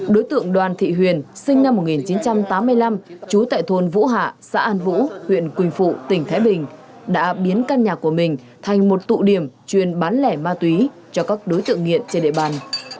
đối tượng đoàn thị huyền sinh năm một nghìn chín trăm tám mươi năm trú tại thôn vũ hạ xã an vũ huyện quỳnh phụ tỉnh thái bình đã biến căn nhà của mình thành một tụ điểm chuyên bán lẻ ma túy cho các đối tượng nghiện trên địa bàn